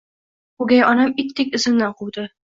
O’gay onam itdek izimdan quvdi